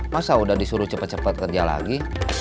masa udah disuruh cepat cepat kerja lagi